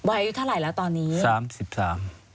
อายุเท่าไหร่แล้วตอนนี้สามสิบสาม